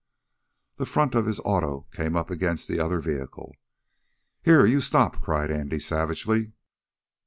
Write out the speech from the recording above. The front of his auto came up against the other vehicle. "Here, you stop!" cried Andy, savagely.